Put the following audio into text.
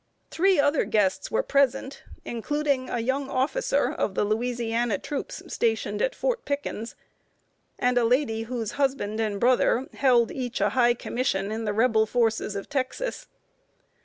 Three other guests were present, including a young officer of the Louisiana troops stationed at Fort Pickens, and a lady whose husband and brother held each a high commission in the Rebel forces of Texas.